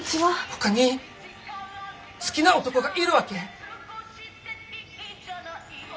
ほかに好きな男がいるわけ？